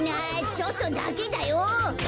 ちょっとだけだよ。